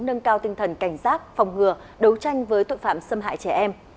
nâng cao tinh thần cảnh giác phòng ngừa đấu tranh với tội phạm xâm hại trẻ em